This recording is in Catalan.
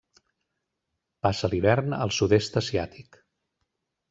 Passa l'hivern al Sud-est asiàtic.